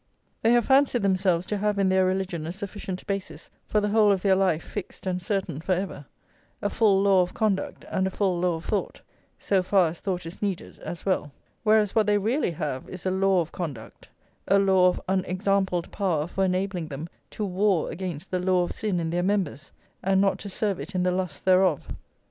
They have fancied themselves to have in their religion a sufficient basis for the whole of their life fixed and certain for ever, a full law of conduct and a full law of thought, so far as thought is needed, as well; whereas what they really have is a law of conduct, a law of unexampled power for enabling them to war against the law of sin in their members and not to serve it in the lusts thereof.